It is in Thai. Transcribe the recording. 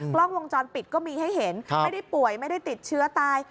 กล้องวงจรปิดก็มีให้เห็นไม่ได้ป่วยไม่ได้ติดเชื้อตาย